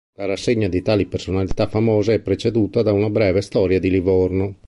La rassegna di tali personalità famose è preceduta da una breve storia di Livorno.